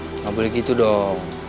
enggak boleh gitu dong